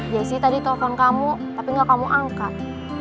jessy tadi telpon kamu tapi gak kamu angkat